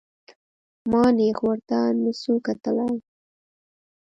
ما نېغ ورته نسو کتلى.